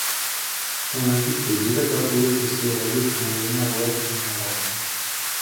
Һәм, әлбиттә, зирәк аҡыллы кескәй Ғәбит күңеленә улар һеңә барған.